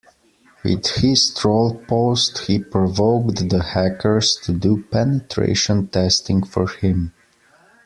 With his troll post he provoked the hackers to do penetration testing for him.